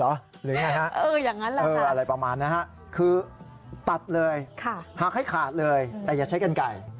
หรือไงฮะอะไรประมาณนะฮะคือตัดเลยหักให้ขาดเลยแต่อย่าใช้กันไก่